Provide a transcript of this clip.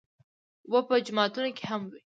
اوبه په جوماتونو کې هم وي.